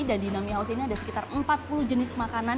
dan di nami house ini ada sekitar empat puluh jenis makanan